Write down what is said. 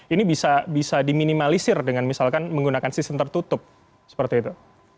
ini bisa diminimalisir dengan misalkan menggunakan sistem tertutup seperti itu